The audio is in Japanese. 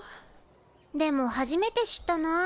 でも初めて知ったな。